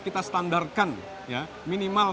kita standarkan ya minimal